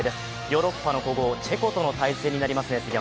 ヨーロッパの古豪・チェコとの対戦になりますね。